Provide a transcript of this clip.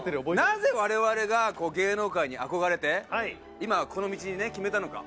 なぜ我々が芸能界に憧れて今この道にね決めたのか。